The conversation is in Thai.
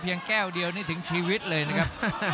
แก้วเดียวนี่ถึงชีวิตเลยนะครับ